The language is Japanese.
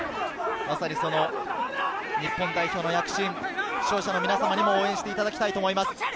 日本代表の躍進、視聴者の皆様にも応援していただきたいと思います。